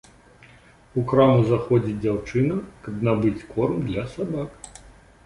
У краму заходзіць дзяўчына, каб набыць корм для сабак.